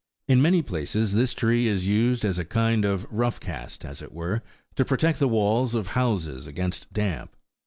In many places this tree is used as a kind of rough cast,11 as it were, to protect the walls of houses against damp.